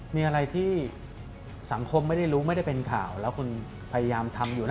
มีอะไรที่สังคมไม่ได้รู้ไม่ได้เป็นข่าวแล้วคุณพยายามทำอยู่แล้ว